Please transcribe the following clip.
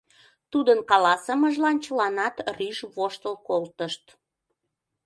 Тудын каласымыжлан чыланат рӱж воштыл колтышт.